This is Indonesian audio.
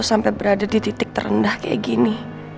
sampai berada di titik terendah kayak gini